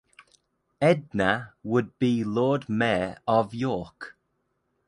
Edna would be Lord mayor of York.